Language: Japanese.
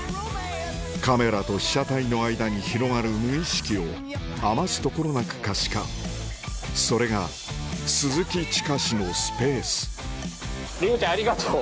カメラと被写体の間に広がる無意識を余すところなく可視化それが鈴木親のスペース凛子ちゃんありがとう。